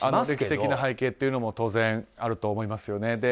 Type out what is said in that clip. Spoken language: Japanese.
歴史的な背景というのもあると思いますよね。